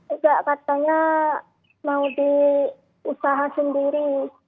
enggak katanya mau diusaha sendiri